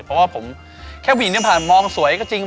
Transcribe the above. เพราะว่าผมแค่ผู้หญิงผ่านมองสวยก็จริง